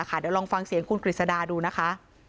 เดี๋ยวลองฟังเสียงคุณกฤษดาดูนะคะ